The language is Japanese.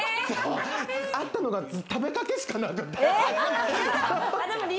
あったのが食べかけしかなくて。